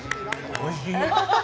おいしい。